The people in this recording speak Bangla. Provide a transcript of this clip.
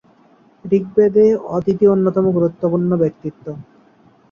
ঋগ্বেদে, অদিতি অন্যতম গুরুত্বপূর্ণ ব্যক্তিত্ব।